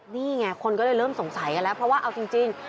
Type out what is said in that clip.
นี่ไงคนก็เลยเริ่มสงสัยกันแล้วเพราะว่าเอาจริง